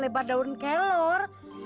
dia biasanya kita catain si om ini